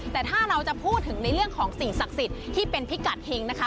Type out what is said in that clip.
แต่ถ้าเราจะพูดถึงในเรื่องของสิ่งศักดิ์สิทธิ์ที่เป็นพิกัดเฮงนะคะ